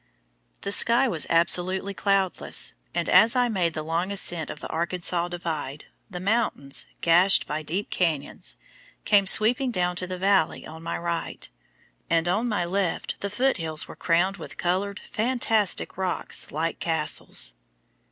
The sky was absolutely cloudless, and as I made the long ascent of the Arkansas Divide, the mountains, gashed by deep canyons, came sweeping down to the valley on my right, and on my left the Foot Hills were crowned with colored fantastic rocks like castles.